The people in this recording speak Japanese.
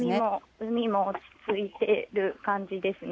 海も落ち着いている感じですね。